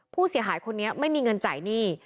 ผู้เสียหายคนนี้ไม่มีเงินจ่ายหนี้